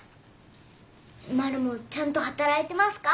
マルモちゃんと働いてますか？